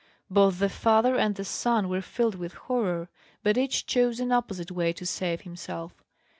Both the father and the son were filled with horror; but each chose an opposite way to save himself.